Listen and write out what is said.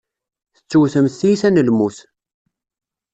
Tettewtemt tiyita n lmut.